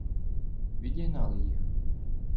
Відігнали їх.